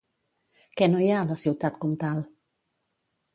Què no hi ha a la ciutat comtal?